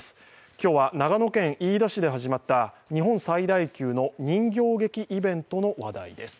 今日は長野県飯田市で始まった日本最大級の人形劇イベントの話題です。